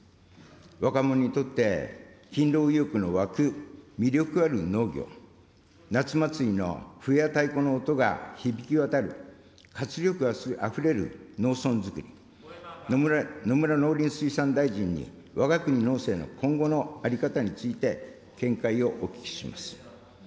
若者にとって勤労意欲の湧く魅力ある農業、夏祭りの笛や太鼓の音が響き渡る活力あふれる農村作り、野村農林水産大臣に、わが国農政の今後の在り方について見解をお聞きします。